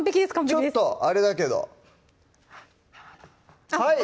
ちょっとあれだけどはい！